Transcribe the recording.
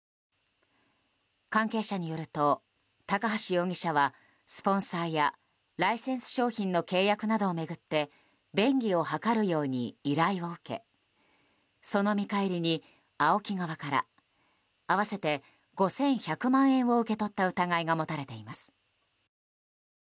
関係者によると高橋容疑者はスポンサーやライセンス商品の契約などを巡って便宜を図るように依頼を受けその見返りにＡＯＫＩ側から合わせて５１００万円を受け取った疑いが持たれています。